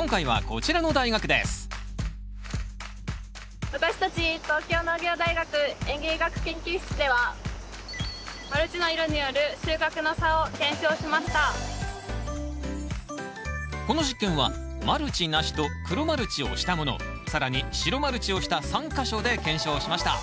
この実験はマルチなしと黒マルチをしたもの更に白マルチをした３か所で検証しました。